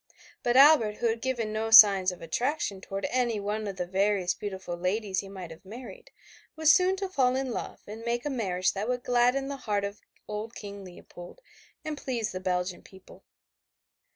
But Albert, who had given no signs of attraction toward any one of the various beautiful ladies he might have married, was soon to fall in love and make a marriage that would gladden the heart of old King Leopold, and please the Belgian people.